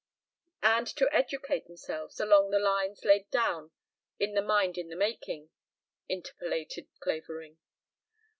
("And to educate themselves along the lines laid down in 'The Mind in the Making,'" interpolated Clavering.)